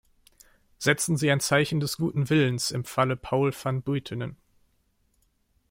Setzen Sie ein Zeichen des guten Willens im Falle Paul van Buitenen!